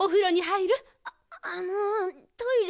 ああのトイレ。